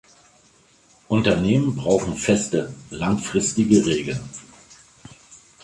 Unternehmen brauchen feste, langfristige Regeln.